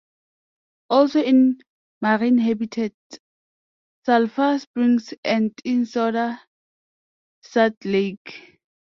Also in marine habitats, sulfur springs and in soda and sat lake.